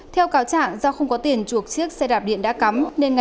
theo cáo trạng do không có tiền chuộc chiếc xe đạp điện đã cắm